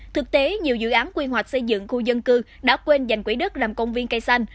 thực tế nhiều dự án quy hoạch xây dựng khu dân cư đã quên dành quỹ đất làm công viên cây xanh